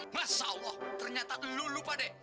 masya allah ternyata lu lupa deh